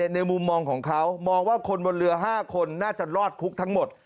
ในมุมมองของเขามองว่าคนบนเรือ๕คนน่าจะรอดคุกทั้งหมด